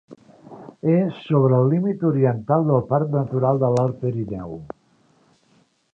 És sobre el límit oriental del Parc Natural de l'Alt Pirineu.